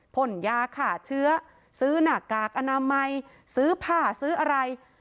พ่นยาฆ่าเชื้อซื้อหน้ากากอนามัยซื้อผ้าซื้ออะไร